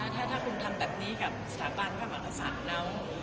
ถ้าคุณทำแบบนี้กับสถาบันภาคมันภาษาแล้ว